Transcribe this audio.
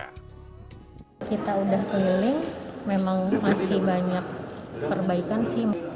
kita udah keliling memang masih banyak perbaikan sih